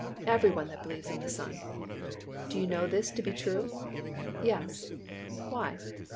"Every one that believes on the Son." "Do you know this to be true?" "Yes." "Why?"